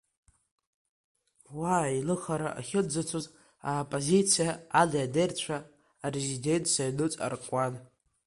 Уа аилыхара ахьынӡацоз, аоппозициа али-дерцәа Арезиденциа аҩныҵҟа ркуан.